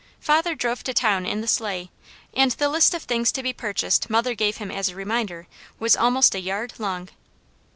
Father drove to town in the sleigh, and the list of things to be purchased mother gave him as a reminder was almost a yard long.